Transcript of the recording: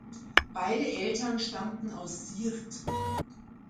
Beide Eltern stammten aus Siirt.